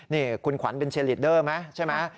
นี่คุณขวัญเป็นเชลีดเดอร์ไหมใช่ไหม